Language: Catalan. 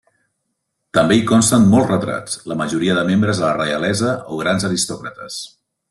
També hi consten molts retrats, la majoria de membres de la reialesa o grans aristòcrates.